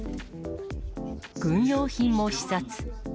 軍用品も視察。